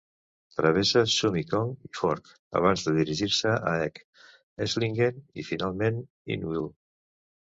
Travessa Zumikon i Forch abans de dirigir-se a Egg, Esslingen i, finalment, Hinwil.